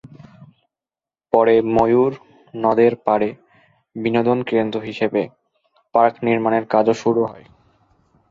পরে ময়ূর নদের পাড়ে বিনোদনকেন্দ্র হিসেবে পার্ক নির্মাণের কাজও শুরু হয়।